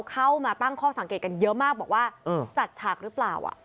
เข้ามาตั้งข้อสังเกตกันเยอะมากบอกว่าจัดฉากหรือเปล่า